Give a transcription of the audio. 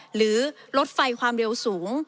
หรือลดไฟความเร็วสูง